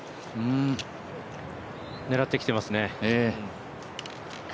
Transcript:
狙ってきてますね。